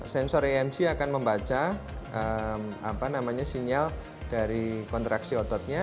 sensor emc akan membaca sinyal dari kontraksi ototnya